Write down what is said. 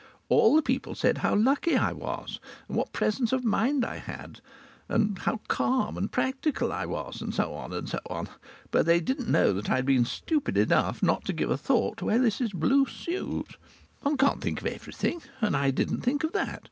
All the people said how lucky I was, and what presence of mind I had, and how calm and practical I was, and so on and so on. But they didn't know that I'd been stupid enough not to give a thought to Ellis's blue suit. One can't think of everything, and I didn't think of that.